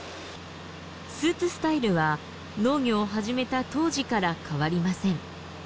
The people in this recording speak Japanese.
スーツスタイルは農業を始めた当時から変わりません。